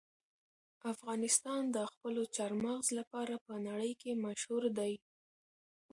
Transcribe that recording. افغانستان د خپلو چار مغز لپاره په نړۍ کې مشهور دی.